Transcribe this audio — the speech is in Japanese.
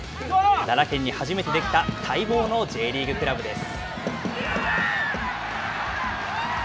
奈良県に初めて出来た待望のＪリーグクラブです。